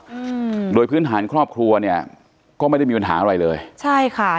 อืมโดยพื้นฐานครอบครัวเนี้ยก็ไม่ได้มีปัญหาอะไรเลยใช่ค่ะ